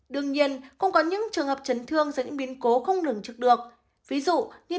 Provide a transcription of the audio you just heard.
đương nhiên cũng có những trường hợp chấn thương do những biến cố không lường trực được ví dụ như